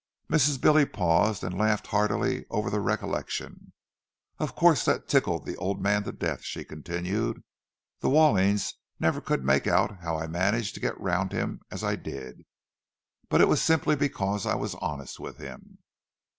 Mrs. Billy paused, and laughed heartily over the recollection. "Of course that tickled the old man to death," she continued. "The Wallings never could make out how I managed to get round him as I did; but it was simply because I was honest with him.